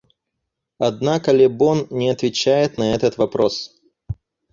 Однако Лебон не отвечает на этот вопрос.